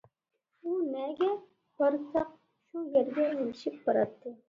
ئۇ نەگە بارساق، شۇ يەرگە ئەگىشىپ باراتتى.